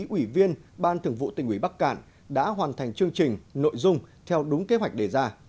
ủy viên ban thường vụ tỉnh ủy bắc cạn đã hoàn thành chương trình nội dung theo đúng kế hoạch đề ra